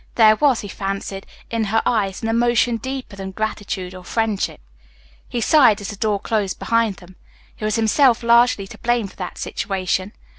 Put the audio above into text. There was, he fancied, in her eyes an emotion deeper than gratitude or friendship. He sighed as the door closed behind them. He was himself largely to blame for that situation.